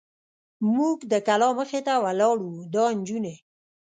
موږ د کلا مخې ته ولاړ و، دا نجونې.